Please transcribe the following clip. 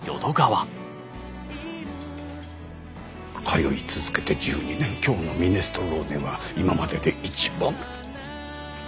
通い続けて１２年今日のミネストローネは今までで一番。